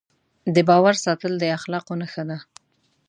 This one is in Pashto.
د باور ساتل د اخلاقو نښه ده.